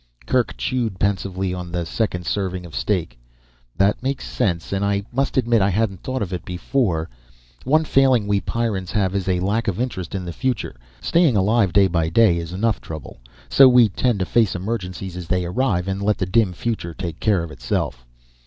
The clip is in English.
Kerk chewed pensively on the second serving of steak. "That makes sense. And I must admit I hadn't thought of it before. One failing we Pyrrans have is a lack of interest in the future. Staying alive day by day is enough trouble. So we tend to face emergencies as they arrive and let the dim future take care of itself.